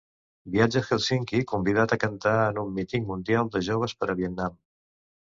Viatja a Hèlsinki convidat a cantar en un Míting Mundial de Joves per a Vietnam.